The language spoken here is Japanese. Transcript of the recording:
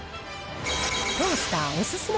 トースターお勧め